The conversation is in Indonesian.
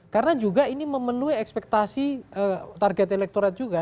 karena juga ini memenuhi ekspektasi target elektorat juga